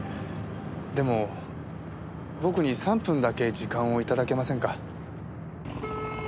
でも僕に３分だけ時間を頂けませんか？